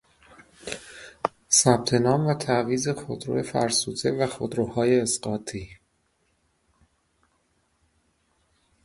ثبت نام و تعویض خودرو فرسوده و خودرو های اسقاطی